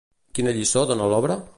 Quina lliçó dona l'obra?